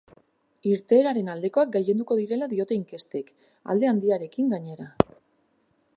Irteeraren aldekoak gailenduko direla diote inkestek, alde handiarekin, gainera.